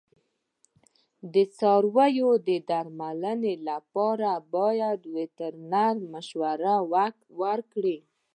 د څارویو د درملنې لپاره باید وترنر مشوره ورکړي.